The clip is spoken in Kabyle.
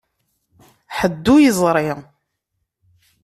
Ḥedd ur yeẓri.